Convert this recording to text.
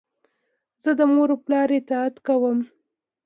زه د مور و پلار اطاعت کوم.